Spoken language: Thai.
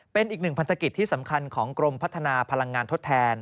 เป็นอีกหนึ่งพันธกิจที่สำคัญของกรมพัฒนาพลังงานทดแทน